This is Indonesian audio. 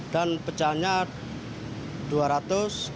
dan pecahannya rp dua